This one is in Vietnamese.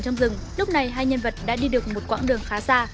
hai nhân vật đã đi được một quãng đường khá xa